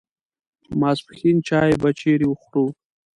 ماپښین چای به چیرې خورو.